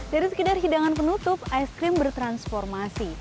dari sekedar hidangan penutup es krim bertransformasi